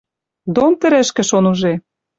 Дон тӹрӹшкӹ шон уже.